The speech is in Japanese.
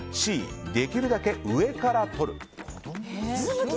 Ｃ、できるだけ上から撮る。